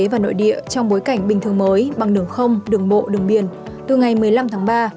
và nội địa trong bối cảnh bình thường mới bằng đường không đường bộ đường biển từ ngày một mươi năm tháng ba